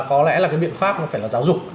có lẽ là cái biện pháp nó phải là giáo dục